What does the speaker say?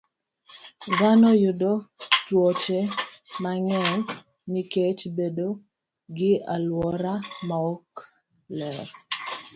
Dhano yudo tuoche mang'eny nikech bedo gi alwora maok ler.